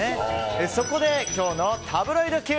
そこで今日のタブロイドＱ！